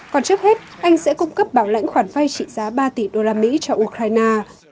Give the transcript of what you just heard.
còn trước hết anh sẽ cung cấp bảo lãnh khoản vay trị giá ba tỷ đô la mỹ cho ukraine